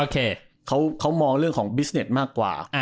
เขามองเรื่องของบิสเน็ตมากกว่า